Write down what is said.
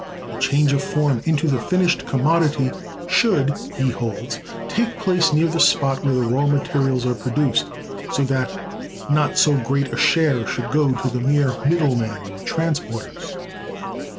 The change of form into the finished commodity should, he holds, take place near the spot where the raw materials are produced, so that not so great a share should go to the mere middle men, or transporters.